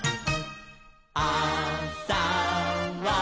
「あさは」